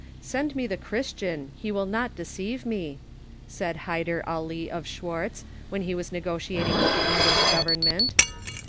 "Send me the Christian ; he will not deceive me," said Ilyder Ali of Schwartz, when he was negotiating with the English government.